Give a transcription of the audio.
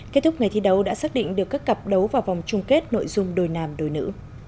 kết thúc ngày thi đấu đã xác định được các cặp đấu vào vòng chung kết nội dung đôi nam đôi nữ